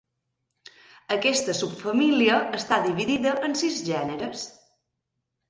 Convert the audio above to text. Aquesta subfamília està dividida en sis gèneres.